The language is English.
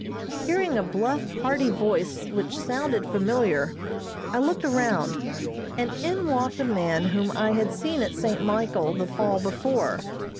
Hearing a bluff, hearty voice which sounded familiar, I looked around, and in walked a man whom I had seen at St. Michael the fall before.